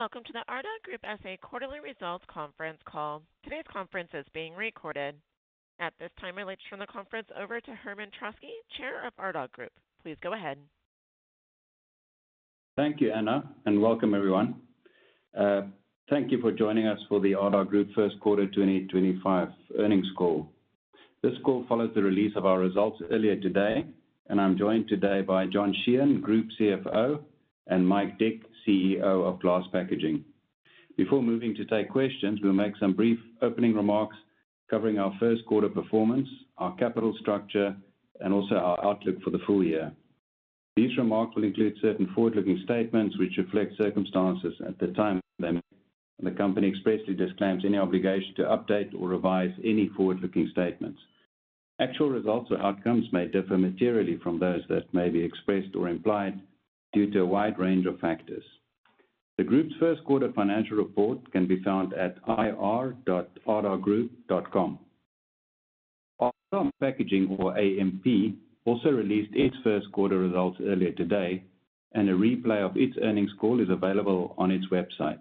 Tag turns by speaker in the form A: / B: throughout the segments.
A: Welcome to the Ardagh Group S.A. quarterly results conference call. Today's conference is being recorded. At this time, I'll turn the conference over to Herman Troskie, Chair of Ardagh Group. Please go ahead.
B: Thank you, Anna, and welcome everyone. Thank you for joining us for the Ardagh Group First Quarter 2025 Earnings Call. This call follows the release of our results earlier today, and I'm joined today by John Sheehan, Group CFO, and Mike Dick, CEO of Glass Packaging. Before moving to take questions, we'll make some brief opening remarks covering our first quarter performance, our capital structure, and also our outlook for the full year. These remarks will include certain forward-looking statements which reflect circumstances at the time they're made, and the company expressly disclaims any obligation to update or revise any forward-looking statements. Actual results or outcomes may differ materially from those that may be expressed or implied due to a wide range of factors. The Group's first quarter financial report can be found at ir.ardaghroup.com. Ardagh Packaging, or AMP, also released its first quarter results earlier today, and a replay of its earnings call is available on its website.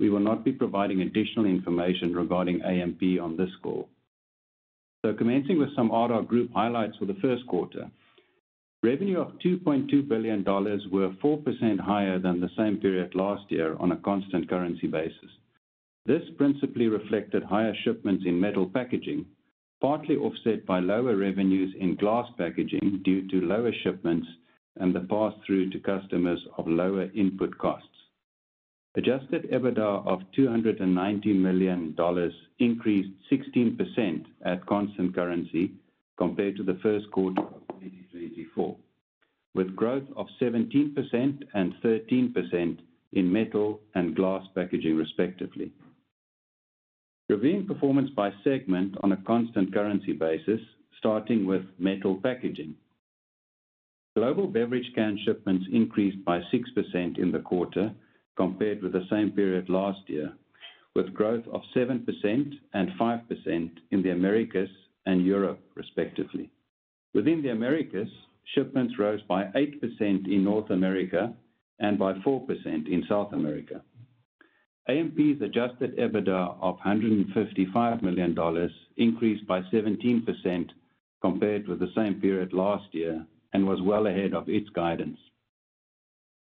B: We will not be providing additional information regarding AMP on this call. Commencing with some Ardagh Group highlights for the first quarter. Revenue of $2.2 billion were 4% higher than the same period last year on a constant currency basis. This principally reflected higher shipments in metal packaging, partly offset by lower revenues in glass packaging due to lower shipments and the pass-through to customers of lower input costs. Adjusted EBITDA of $290 million increased 16% at constant currency compared to the first quarter of 2024, with growth of 17% and 13% in metal and glass packaging, respectively. Reviewing performance by segment on a constant currency basis, starting with metal packaging. Global beverage can shipments increased by 6% in the quarter compared with the same period last year, with growth of 7% and 5% in the Americas and Europe, respectively. Within the Americas, shipments rose by 8% in North America and by 4% in South America. AMP's adjusted EBITDA of $155 million increased by 17% compared with the same period last year and was well ahead of its guidance.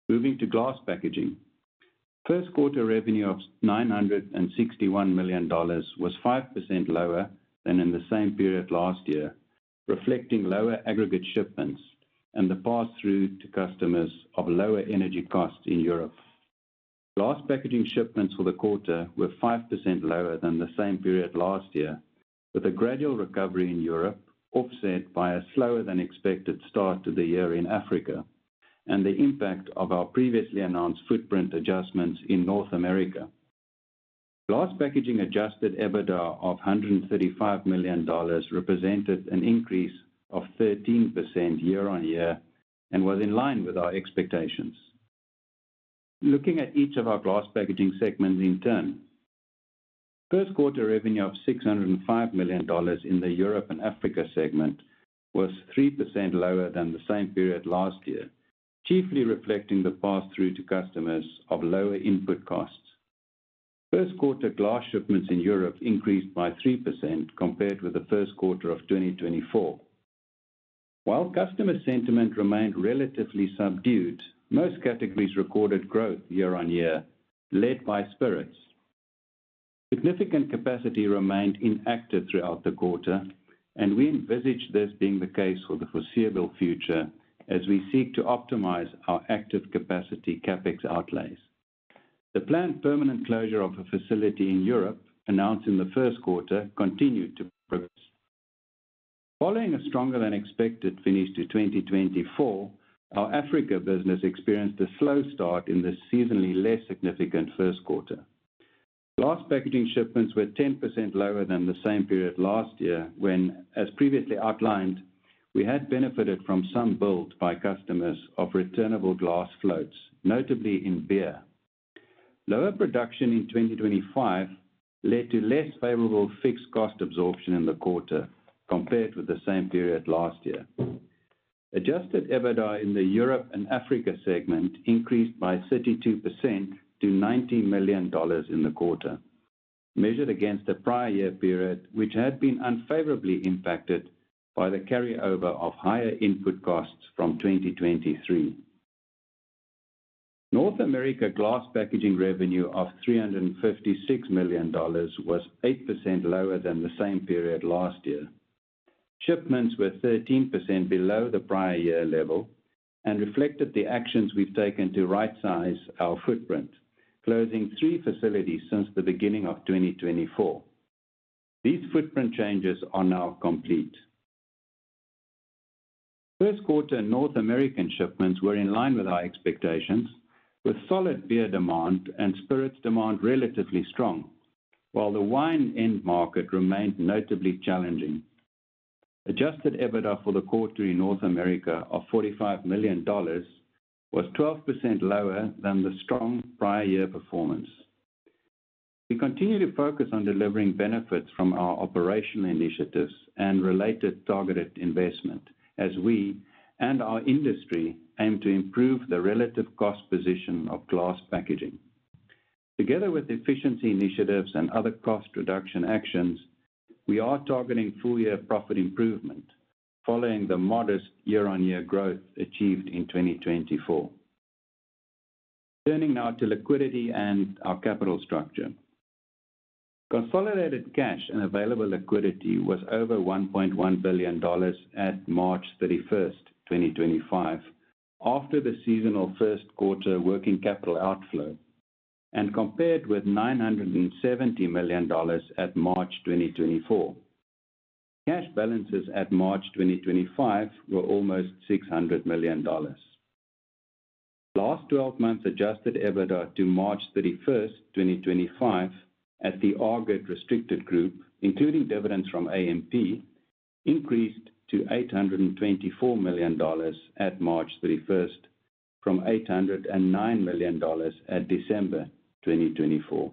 B: Moving to glass packaging. First quarter revenue of $961 million was 5% lower than in the same period last year, reflecting lower aggregate shipments and the pass-through to customers of lower energy costs in Europe. Glass packaging shipments for the quarter were 5% lower than the same period last year, with a gradual recovery in Europe, offset by a slower-than-expected start to the year in Africa, and the impact of our previously announced footprint adjustments in North America. Glass packaging adjusted EBITDA of $135 million represented an increase of 13% year-on-year and was in line with our expectations. Looking at each of our glass packaging segments in turn. First quarter revenue of $605 million in the Europe and Africa segment was 3% lower than the same period last year, chiefly reflecting the pass-through to customers of lower input costs. First-quarter glass shipments in Europe increased by 3% compared with the first quarter of 2024. While customer sentiment remained relatively subdued, most categories recorded growth year-on-year, led by spirits. Significant capacity remained inactive throughout the quarter, and we envisage this being the case for the foreseeable future as we seek to optimize our active capacity CapEx outlays. The planned permanent closure of a facility in Europe announced in the first quarter continued to progress. Following a stronger-than-expected finish to 2024, our Africa business experienced a slow start in the seasonally less significant first quarter. Glass packaging shipments were 10% lower than the same period last year when, as previously outlined, we had benefited from some build by customers of returnable glass floats, notably in beer. Lower production in 2024 led to less favorable fixed cost absorption in the quarter compared with the same period last year. Adjusted EBITDA in the Europe and Africa segment increased by 32% to $90 million in the quarter, measured against the prior year period, which had been unfavorably impacted by the carryover of higher input costs from 2023. North America glass packaging revenue of $356 million was 8% lower than the same period last year. Shipments were 13% below the prior year level and reflected the actions we have taken to right-size our footprint, closing three facilities since the beginning of 2024. These footprint changes are now complete. First quarter North American shipments were in line with our expectations, with solid beer demand and spirits demand relatively strong, while the wine end market remained notably challenging. Adjusted EBITDA for the quarter in North America of $45 million was 12% lower than the strong prior year performance. We continue to focus on delivering benefits from our operational initiatives and related targeted investment as we and our industry aim to improve the relative cost position of glass packaging. Together with efficiency initiatives and other cost reduction actions, we are targeting full-year profit improvement following the modest year-on-year growth achieved in 2024. Turning now to liquidity and our capital structure. Consolidated cash and available liquidity was over $1.1 billion at March 31st, 2025, after the seasonal first quarter working capital outflow, and compared with $970 million at March 2024. Cash balances at March 2025 were almost $600 million. Last 12 months adjusted EBITDA to March 31st, 2025, at the Ardagh Restricted Group, including dividends from AMP, increased to $824 million at March 31st from $809 million at December 2024.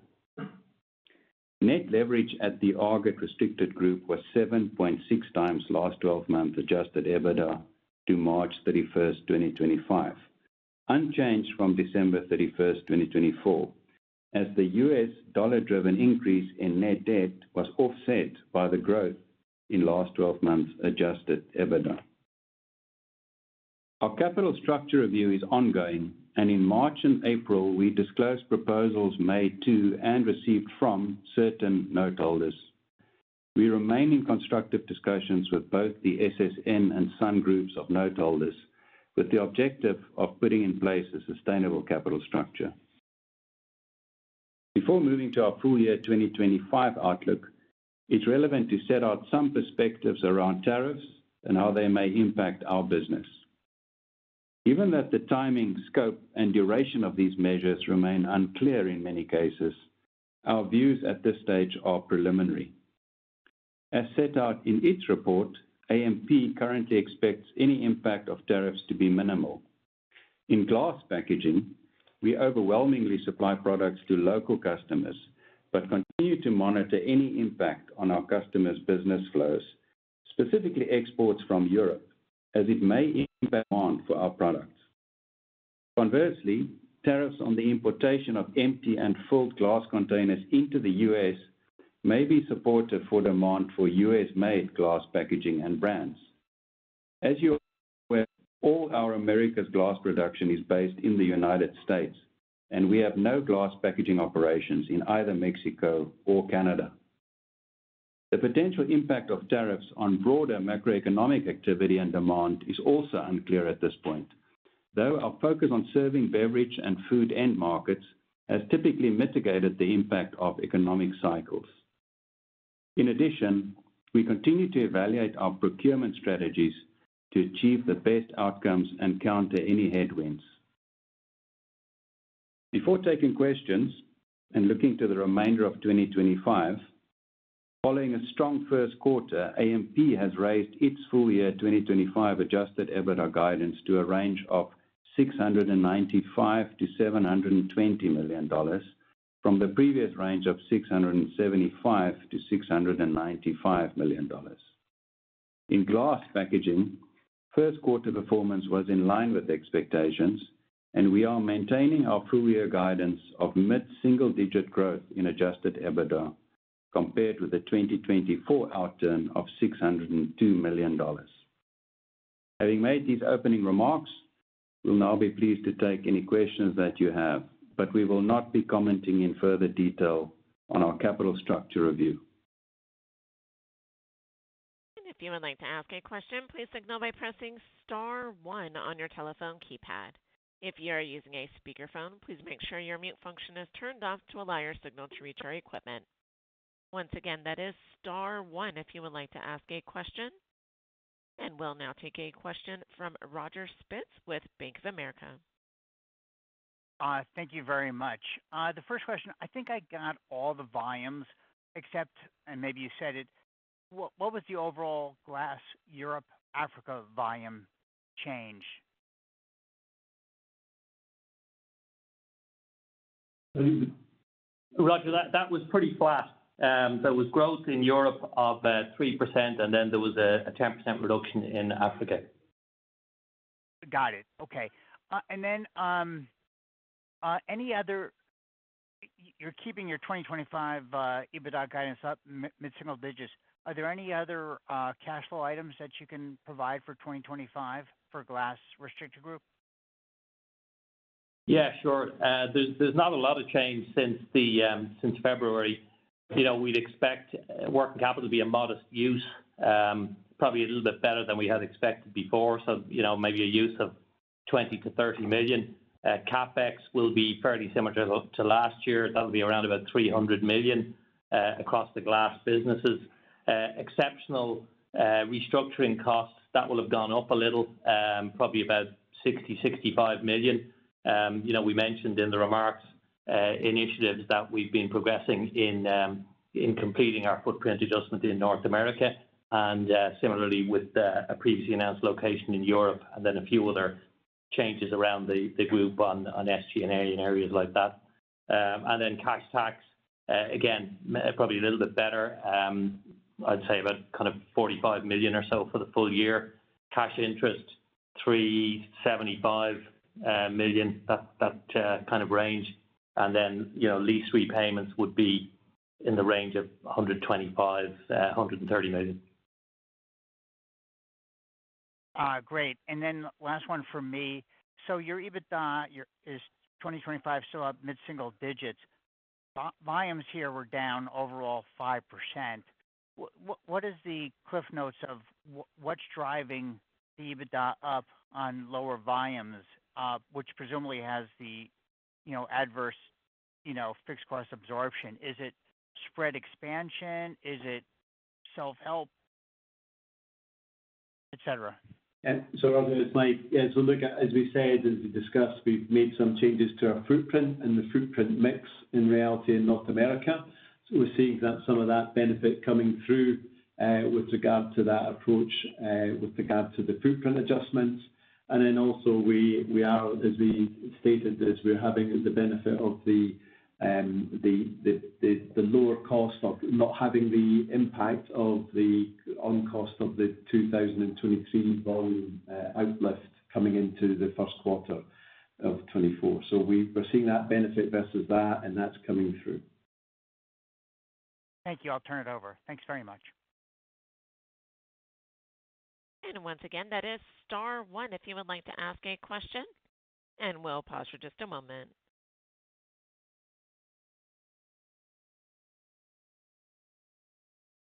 B: Net leverage at the Ardagh Restricted Group was 7.6x last 12 months adjusted EBITDA to March 31st, 2025, unchanged from December 31st, 2024, as the U.S. dollar-driven increase in net debt was offset by the growth in last 12 months adjusted EBITDA. Our capital structure review is ongoing, and in March and April, we disclosed proposals made to and received from certain noteholders. We remain in constructive discussions with both the SSN and SUN Groups of noteholders, with the objective of putting in place a sustainable capital structure. Before moving to our full-year 2025 outlook, it's relevant to set out some perspectives around tariffs and how they may impact our business. Given that the timing, scope, and duration of these measures remain unclear in many cases, our views at this stage are preliminary. As set out in its report, AMP currently expects any impact of tariffs to be minimal. In glass packaging, we overwhelmingly supply products to local customers but continue to monitor any impact on our customers' business flows, specifically exports from Europe, as it may impact demand for our products. Conversely, tariffs on the importation of empty and filled glass containers into the U.S. may be supportive for demand for U.S.-made glass packaging and brands. As you're aware, all our Americas glass production is based in the United States, and we have no glass packaging operations in either Mexico or Canada. The potential impact of tariffs on broader macroeconomic activity and demand is also unclear at this point, though our focus on serving beverage and food end markets has typically mitigated the impact of economic cycles. In addition, we continue to evaluate our procurement strategies to achieve the best outcomes and counter any headwinds. Before taking questions and looking to the remainder of 2025, following a strong first quarter, AMP has raised its full-year 2025 adjusted EBITDA guidance to a range of $695 million-$720 million from the previous range of $675 million-$695 million. In glass packaging, first quarter performance was in line with expectations, and we are maintaining our full year guidance of mid-single-digit growth in adjusted EBITDA compared with the 2024 outturn of $602 million. Having made these opening remarks, we will now be pleased to take any questions that you have, but we will not be commenting in further detail on our capital structure review.
A: If you would like to ask a question, please signal by pressing star one on your telephone keypad. If you are using a speakerphone, please make sure your mute function is turned off to allow your signal to reach our equipment. Once again, that is star one if you would like to ask a question. We will now take a question from Roger Spitz with Bank of America.
C: Thank you very much. The first question, I think I got all the volumes except, and maybe you said it, what was the overall glass Europe/Africa volume change?
D: Roger, that was pretty flat. There was growth in Europe of 3%, and then there was a 10% reduction in Africa.
E: Got it. Okay. And then, you're keeping your 2025 EBITDA guidance up, mid-single digits. Are there any other cash flow items that you can provide for 2025 for Glass Restricted Group?
D: Yeah, sure. There's not a lot of change since February. You know, we'd expect working capital to be a modest use, probably a little bit better than we had expected before. You know, maybe a use of $20 million-$30 million. CapEx will be fairly similar to last year. That'll be around about $300 million, across the glass businesses. Exceptional restructuring costs, that will have gone up a little, probably about $60 million-$65 million. You know, we mentioned in the remarks, initiatives that we've been progressing in completing our footprint adjustment in North America, and similarly with a previously announced location in Europe, and then a few other changes around the group on SG&A and areas like that. And then cash tax, again, probably a little bit better, I'd say about kind of $45 million or so for the full year. Cash interest, $375 million, that, that kind of range. And then, you know, lease repayments would be in the range of $125 million-$130 million.
E: Great. Last one for me. Your EBITDA, is 2025 still up mid-single digits? Volumes here were down overall 5%. What is the cliff notes of what's driving the EBITDA up on lower volumes, which presumably has the, you know, adverse, you know, fixed cost absorption? Is it spread expansion? Is it self-help, etc.?
F: Roger, it's Mike, yeah, look, as we said, as we discussed, we've made some changes to our footprint and the footprint mix in reality in North America. We're seeing that some of that benefit coming through, with regard to that approach, with regard to the footprint adjustments. And then also we are, as we stated, having the benefit of the lower cost of not having the impact of the on-cost of the 2023 volume outlift coming into the first quarter of 2024. We're seeing that benefit versus that, and that's coming through.
E: Thank you. I'll turn it over. Thanks very much.
A: Once again, that is star one if you would like to ask a question. We'll pause for just a moment.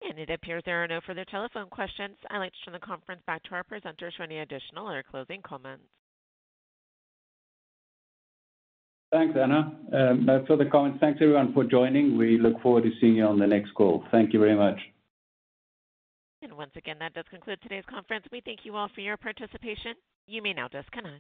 A: It appears there are no further telephone questions. I'd like to turn the conference back to our presenters for any additional or closing comments.
B: Thanks, Anna. No further comments. Thanks everyone for joining. We look forward to seeing you on the next call. Thank you very much.
A: And once again that does conclude today's conference. We thank you all for your participation. You may now disconnect.